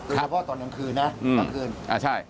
แม้ตั้งแต่ตอนกลางคืนครับ